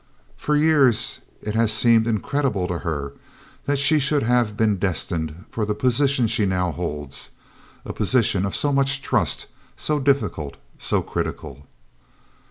For years it has seemed incredible to her that she should have been destined for the position she now holds, a position of so much trust, so difficult, so critical.